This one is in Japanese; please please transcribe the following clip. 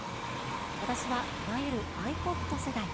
私はいわゆるｉＰｏｄ世代。